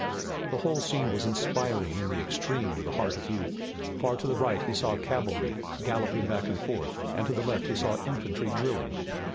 The whole scene was inspiring in the extreme to the heart of youth. Far to the right he saw cavalry galloping back and forth, and to the left he saw infantry drilling.